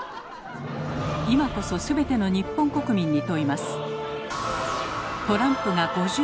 今こそすべての日本国民に問います。